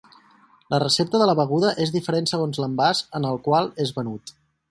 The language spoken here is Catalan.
La recepta de la beguda és diferent segons l'envàs en el qual és venut.